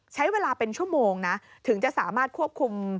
ใช้เวลาเป็นชั่วโมงนะถึงจะสามารถควบคุม